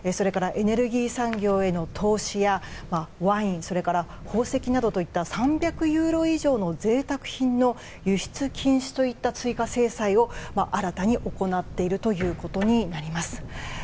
エネルギー産業への投資やワイン、それから宝石などといった３００ユーロ以上の贅沢品の輸出禁止といった追加制裁を新たに行っているということになります。